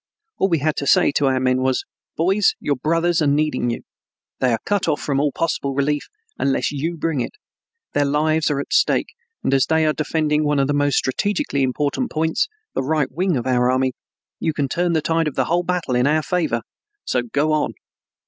All we had to say to our men was: "Boys, your brothers are needing you. They are cut off from all possible relief unless you bring it. Their lives are at stake, and as they are defending one of the most strategically important points the right wing of our army you can turn the tide of the whole battle in our favor; so go on."